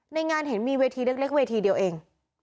ในงานเห็นมีเวทีเล็กเวทีเดียวเอง